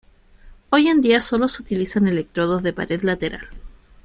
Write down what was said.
Hoy en día solo se utilizan electrodos de pared lateral.